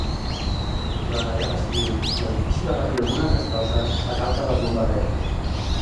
Durant la guerra civil l'edifici va patir algunes destrosses a causa dels bombardejos.